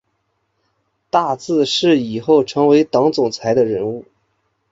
大字是以后成为党总裁的人物